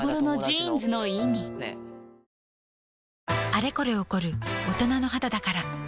あれこれ起こる大人の肌だから